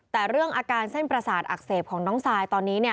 แต่เรื่องอาการเส้นประสาทอักเสบของน้องซายตอนนี้เนี่ย